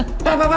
pak pak pak pak